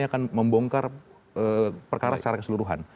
akan membongkar perkara secara keseluruhan